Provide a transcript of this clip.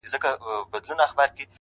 o ځوان د پوره سلو سلگيو څه راوروسته،